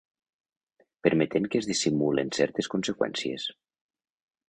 Permetent que es dissimulen certes conseqüències.